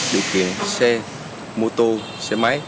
điều khiển xe mô tô xe máy